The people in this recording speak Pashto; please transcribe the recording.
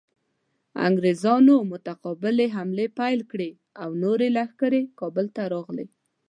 انګریزانو متقابلې حملې پیل کړې او نورې لښکرې کابل ته راغلې.